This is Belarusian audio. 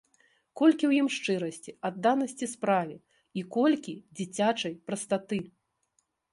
Колькі ў ім шчырасці, адданасці справе і колькі дзіцячай прастаты!